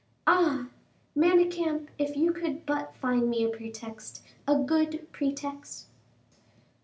"Ah! Manicamp, if you could but find me a pretext, a good pretext."